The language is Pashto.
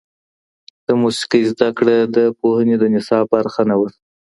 د موسیقۍ زده کړه د پوهنې د نصاب برخه نه وه.